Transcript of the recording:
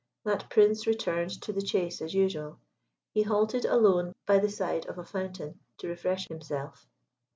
That Prince returned to the chase as usual. He halted alone by the side of a fountain, to refresh himself.